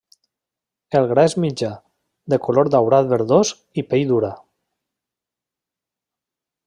El gra és mitjà, de color daurat verdós i pell dura.